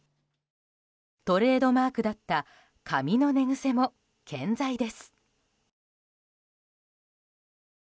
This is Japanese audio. トレードマークだった髪の寝ぐせも健在です。